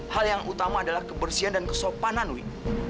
hal yang utama adalah kebersihan dan kesopanan wi